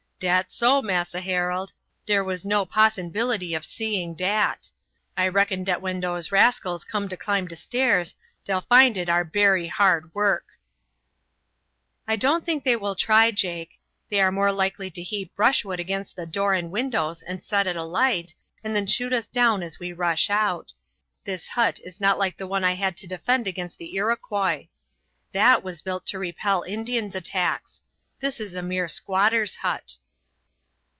"Dat's so, Massa Harold; dere was no possinbility of seeing dat. I reckon dat when dose rascals come to climb de stairs dey'll find it are bery hard work." "I don't think they will try, Jake. They are more likely to heap brushwood against the door and windows and set it alight, and then shoot us down as we rush out. This hut is not like the one I had to defend against the Iroquois. That was built to repel Indians' attacks; this is a mere squatter's hut."